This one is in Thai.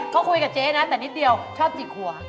ก็คุยกับเจ๊นะแต่นิดเดียวชอบจิกหัว